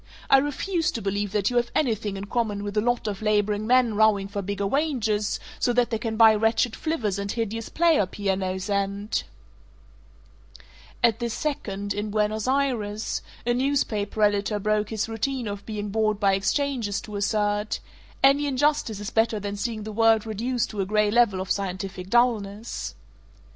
I refuse to believe that you have anything in common with a lot of laboring men rowing for bigger wages so that they can buy wretched flivvers and hideous player pianos and " At this second, in Buenos Ayres, a newspaper editor broke his routine of being bored by exchanges to assert, "Any injustice is better than seeing the world reduced to a gray level of scientific dullness."